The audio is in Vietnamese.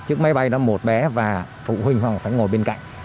trước máy bay là một bé và phụ huynh phải ngồi bên cạnh